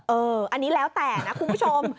อันนี้แล้วแต่นะคุณผู้ชม